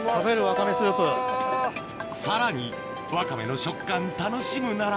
さらにワカメの食感楽しむなら